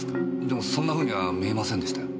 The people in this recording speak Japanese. でもそんなふうには見えませんでしたよ。